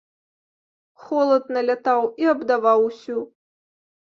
Холад налятаў і абдаваў усю.